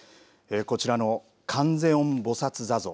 こちらの観世音菩薩坐像。